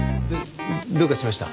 どうかしました？